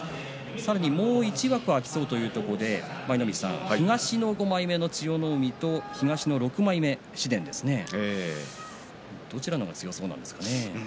さらにもう１枠は空きそうというところで東の５枚目の千代の海と東の６枚目の紫雷ですねどちらですかね。